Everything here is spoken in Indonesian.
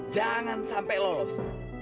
jangan sampai lolos